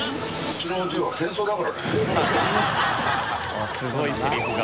あっすごいセリフが。